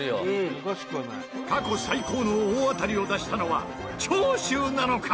過去最高の大当たりを出したのは長州なのか？